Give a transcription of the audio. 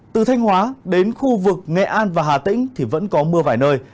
từ thanh hóa đến khu vực nghệ an và hà tĩnh thì vẫn có mưa vài nơi